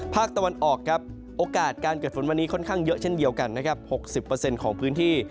ภาคตะวันออกครับโอกาสการเกิดฝนวันนี้ค่อนข้างเยอะเช่นเดียวกันนะครับ๖๐ของพื้นที่